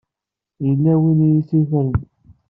Yella win i yi-t-yukren.